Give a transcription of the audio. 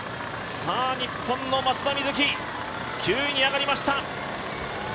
日本の松田瑞生９位に上がりました。